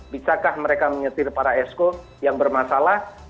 bisa kah mereka menyetir para esko yang bermasalah